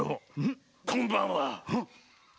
こんばんは。